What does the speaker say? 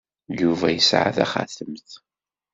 Yuba yesɛa taxatemt.